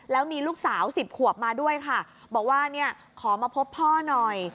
แล้วมีลูกสาว๑๐ขวบมาด้วยค่ะบอกว่าเนี่ยขอมาพบพ่อหน่อย